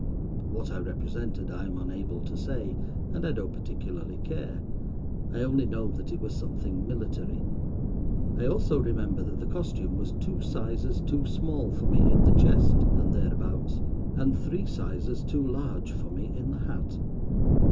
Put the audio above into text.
What I represented I am unable to say, and I don't particularly care. I only know it was something military. I also remember that the costume was two sizes too small for me in the chest, and thereabouts; and three sizes too large for me in the hat.